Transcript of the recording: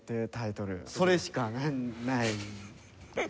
それしかない。